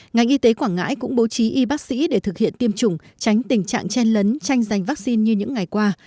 ngành y tế quảng ngãi cũng bố trí y bác sĩ để thực hiện tiêm chủng tránh tình trạng chen lấn tranh giành vaccine như những ngày qua